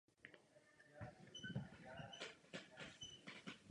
Vodní dílo je využíváno k rybolovu Místní organizací Českého rybářského svazu Horní Podluží.